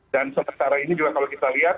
dan sementara ini juga kalau kita lihat